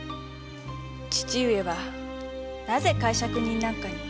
父上はなぜ介錯人なんかに。